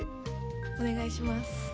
おねがいします。